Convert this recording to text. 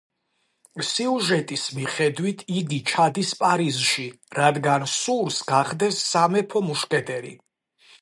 სიუჟეტის მიხედვით, იგი ჩადის პარიზში, რადგან სურს, გახდეს სამეფო მუშკეტერი.